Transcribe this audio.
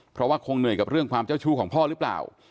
เพราะว่าคงเหนื่อยกับเรื่องความเจ้าชู้ของพ่อหรือเปล่า